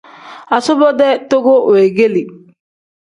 Asubo-dee toko weegeeli.